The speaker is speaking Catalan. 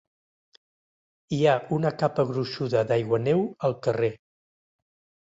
Hi ha una capa gruixuda d'aiguaneu al carrer.